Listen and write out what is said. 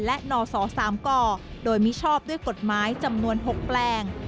และนศ๓กโดยมิชอบด้วยกฎหมายจำนวน๖แปลง